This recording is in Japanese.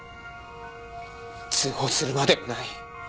通報するまでもない。